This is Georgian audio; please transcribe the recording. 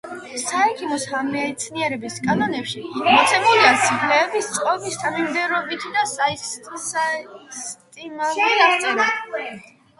იბნ სინას „საექიმო მეცნიერების კანონებში“ მოცემულია ძვლების წყობის თანმიმდევრობითი და სისტემატური აღწერა.